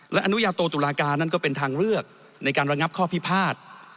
และอนุญาโตตุลาการนั้นก็เป็นทางเลือกในการระงับข้อพิพาท